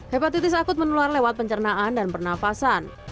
hepatitis akut menular lewat pencernaan dan pernafasan